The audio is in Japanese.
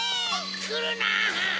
くるな！